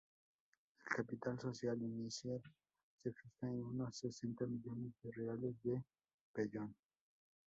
El capital social inicial se fija en unos sesenta millones de reales de vellón.